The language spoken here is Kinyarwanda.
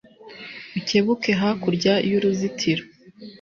Ucyebuke hakurya y'uruzitiro